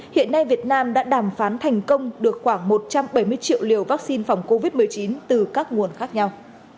hiện nay việt nam đã đàm phán thành công được khoảng một trăm bảy mươi triệu liều vaccine phòng covid một mươi chín từ các nguồn khác nhau